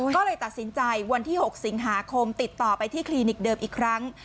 ก็เลยตัดสินใจวันที่๖สิงหาคมติดต่อไปที่คลินิกเดิมอีกครั้ง